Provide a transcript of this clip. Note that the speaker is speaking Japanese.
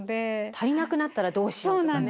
足りなくなったらどうしようとかね。